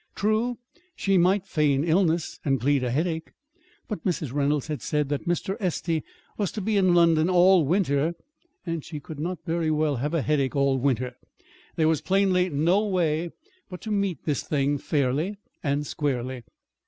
True, she might feign illness and plead a headache; but Mrs. Reynolds had said that Mr. Estey was to be in London all winter and she could not very well have a headache all winter! There was plainly no way but to meet this thing fairly and squarely.